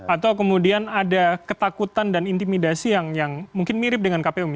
atau kemudian ada ketakutan dan intimidasi yang mungkin mirip dengan kpu